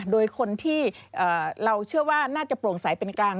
โดยคนที่เราเชื่อว่าน่าจะโปร่งใสเป็นกลาง